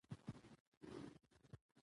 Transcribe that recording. د هېواد ابادول په موږ او تاسو پورې اړه لري.